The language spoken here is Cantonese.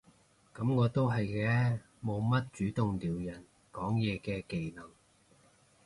噉我都係嘅，冇乜主動撩人講嘢嘅技能